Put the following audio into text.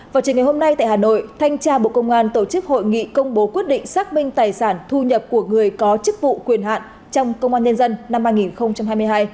vào chiều ngày hôm nay tại hà nội thanh tra bộ công an tổ chức hội nghị công bố quyết định xác minh tài sản thu nhập của người có chức vụ quyền hạn trong công an nhân dân năm hai nghìn hai mươi hai